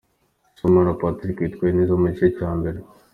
Sibomana Patrick yitwaye neza mu gice cya mbere.